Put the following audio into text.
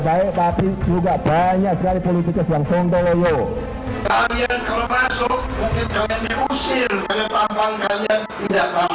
tantang tantang kami hanya tampang bunuh hari ini